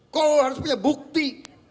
kau harus punya bukti